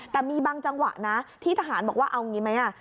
แต่มีบางจังหวะนะที่ทหารบอกว่าเอางี้ไหม